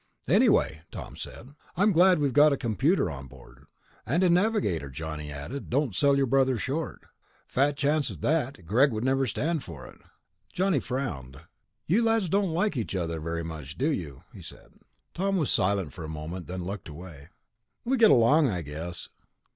"Anyway," Tom said, "I'm glad we've got a computer aboard." "And a navigator," Johnny added. "Don't sell your brother short." "Fat chance of that. Greg would never stand for it." Johnny frowned. "You lads don't like each other very much, do you?" he said. Tom was silent for a moment. Then he looked away. "We get along, I guess."